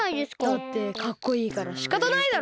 だってかっこいいからしかたないだろ。